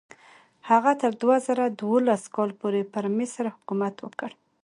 هغه تر دوه زره دولس کال پورې پر مصر حکومت وکړ.